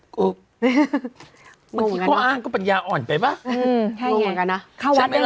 กหัวก็อ่านปัญญาอ่อนไปไหม